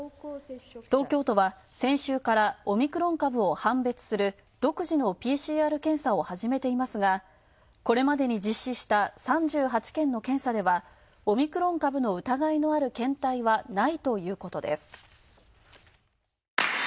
東京とは先週からオミクロン株を判別する独自のＰＣＲ検査を始めていますがこれまでに実施した３８件の検査では、オミクロン株の疑いのある検体はないということです。